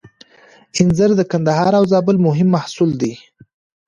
انځر د کندهار او زابل مهم محصول دی